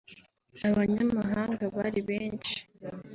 abanyamahanga bari benshi